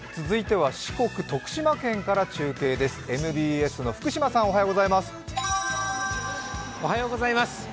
続いては四国・徳島県から中継です、ＭＢＳの福島さん、おはようございます。